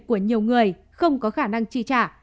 của nhiều người không có khả năng chi trả